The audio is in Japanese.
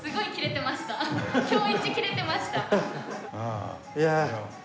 今日イチキレてました。